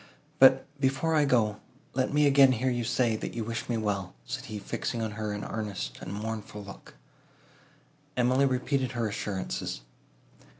But, before I go, let me again hear you say, that you wish me well," said he, fixing on her an earnest and mournful look. Emily repeated her assurances.